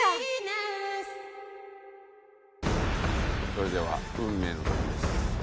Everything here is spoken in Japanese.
それでは運命の時です。